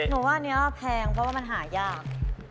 ว่าอันนี้แพงเพราะว่ามันหายาก